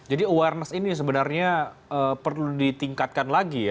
jadi awareness ini sebenarnya perlu ditingkatkan lagi ya